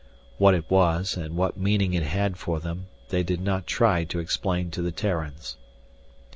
What it was and what meaning it had for them they did not try to explain to the Terrans.